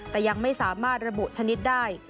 แต่ยังไม่สามารถระบุชนิดได้